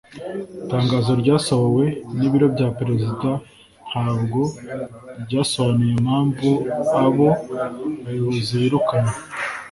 Itangazo ryasohowe n’Ibiro bya Perezida ntabwo ryasobanuye impamvu abo bayobozi birukanywe